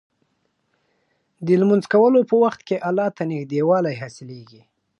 د لمونځ کولو په وخت کې الله ته نږدېوالی حاصلېږي.